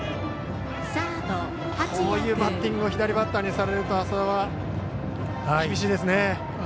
こういうバッティングを左バッターにされると麻田は厳しいですね。